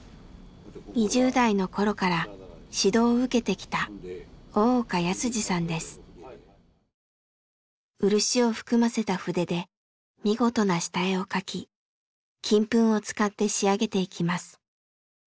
２０代の頃から指導を受けてきた漆を含ませた筆で見事な下絵を描き金粉を使って仕上げていきます。